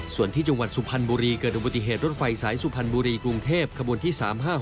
ส่วนที่จังหวัดสุพรรณบุรีเกิดอุบัติเหตุรถไฟสายสุพรรณบุรีกรุงเทพขบวนที่๓๕๖